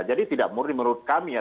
tidak murni menurut kami ya